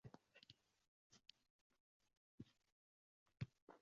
Alangali bu nolaga